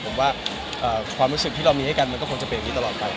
ผมว่าความรู้สึกที่เรามีให้กันมันก็คงจะเป็นอย่างนี้ตลอดไป